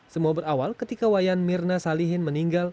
semua berawal ketika wayan mirna salihin meninggal